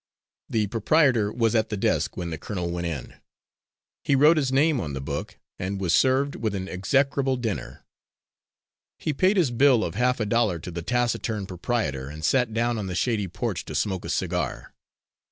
The proprietor was at the desk when the colonel went in. He wrote his name on the book, and was served with an execrable dinner. He paid his bill of half a dollar to the taciturn proprietor, and sat down on the shady porch to smoke a cigar.